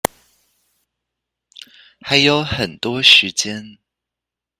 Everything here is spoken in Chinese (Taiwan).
還有很多時間